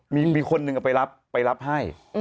มีคนหนึ่งเอาไปรับให้